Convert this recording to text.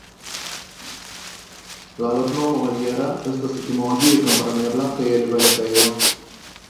La loknomo "Vallejera" estas etimologie komprenebla kiel "Valetejo".